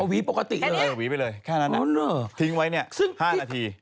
เอาหวีปกติเลยแค่นั้นนะทิ้งไว้๕นาทีเอาเหรอ